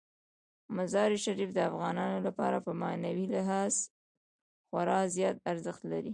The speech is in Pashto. مزارشریف د افغانانو لپاره په معنوي لحاظ خورا زیات ارزښت لري.